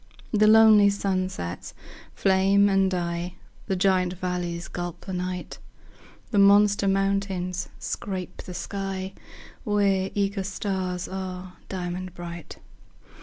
The lonely sunsets flame and die; The giant valleys gulp the night; The monster mountains scrape the sky, Where eager stars are diamond bright.